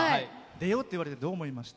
出ようかって言われてどう思いました？